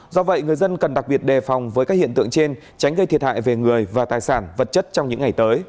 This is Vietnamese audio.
do vậy người dân cần đặc biệt đề phòng với các hiện tượng trên tránh gây thiệt hại về người và tài sản vật chất trong những ngày tới